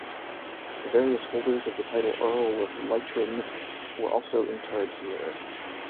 The various holders of the title Earl of Leitrim were also interred here.